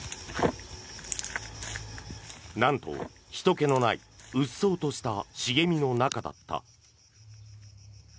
なんと、ひとけのないうっそうとした茂みの中だった。